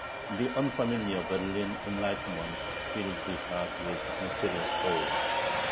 The unfamiliar Berlin "enlightenment" filled his heart with mysterious awe.